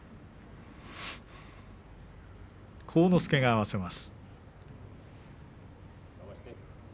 晃之助が合わせます。